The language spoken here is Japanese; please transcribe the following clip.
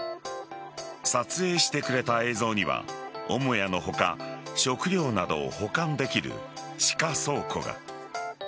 撮影してくれた映像には母屋の他食料などを保管できる地下倉庫が。